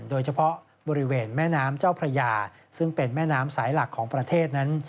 โดยเฉพาะบริเวณแม่น้ำเจ้าพระยาซึ่งเป็นแม่น้ำสายหลักของประเทศนั้น